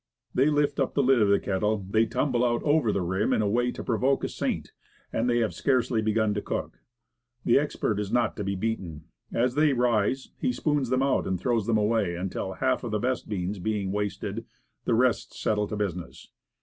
They lift up the lid of the kettle, they tumble out over the rim in a way to provoke a saint, and they have scarcely begun to cook. The expert is not to be beaten. As they rise, he spoons them out and throws them away, until half of the best Beans, 1 01 beans being wasted, the rest settle to business.